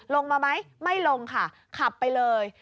ลงมาไหมไม่ลงค่ะขับไปเลย